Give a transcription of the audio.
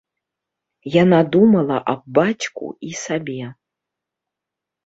Яна думала аб бацьку і сабе.